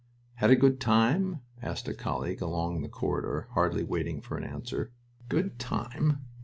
"Had a good time?" asked a colleague along the corridor, hardly waiting for an answer. "A good time!"...